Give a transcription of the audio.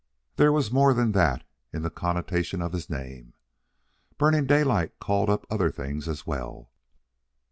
There was more than that in the connotation of his name. Burning Daylight called up other things as well.